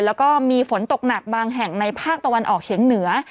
แล้วก็มีฝนตกหนักบางแห่งในภาคตะวันออกเฉียงเหนือ